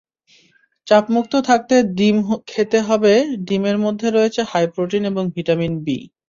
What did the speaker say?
চাপমুক্ত থাকতে ডিম খেতে হবেডিমের মধ্যে রয়েছে হাই প্রোটিন এবং ভিটামিন বি।